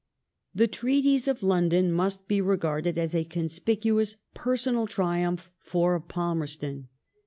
The Treaties of London must be regarded as a conspicuous personal triumph for Palmerston.